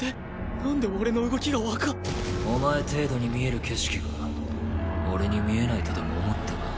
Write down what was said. なんで俺の動きがわかっお前程度に見える景色が俺に見えないとでも思ったか？